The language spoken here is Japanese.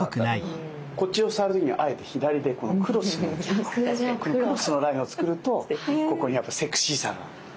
こっちを触る時にはあえて左でこのクロスのこのクロスのラインを作るとここにやっぱりセクシーさが。